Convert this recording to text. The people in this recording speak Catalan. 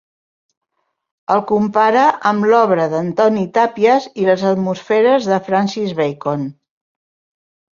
El compara amb l'obra d'Antoni Tàpies i les atmosferes de Francis Bacon.